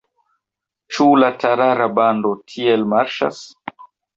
Ĉu la tatara bando tiel marŝas?